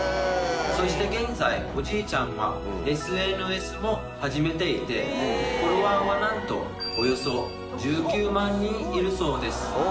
そして現在、おじいちゃんは、ＳＮＳも始めていて、フォロワーはなんとおよそ１９万人いるそうです。